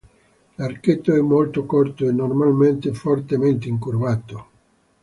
L'archetto è molto corto e normalmente fortemente incurvato.